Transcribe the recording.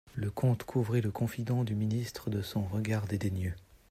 Le comte couvrit le confident du ministre de son regard dédaigneux.